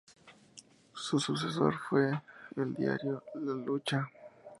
Su sucesor fue el diario "La Lucha".